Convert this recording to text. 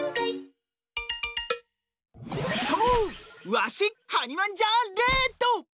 わしはにわんじゃーレッド！